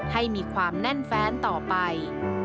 ให้มีความแน่นแฟนต่อไป